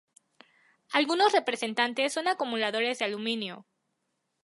Algunos representantes son acumuladores de aluminio.